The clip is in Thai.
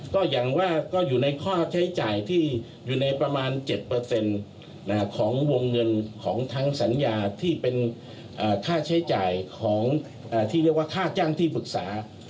ก็อย่างว่าก็อยู่ในค่าใช้จ่ายที่อยู่ในประมาณ๗ของวงเงินของทั้งสัญญาที่เป็นค่าใช้จ่ายของที่เรียกว่าค่าจ้างที่ปรึกษา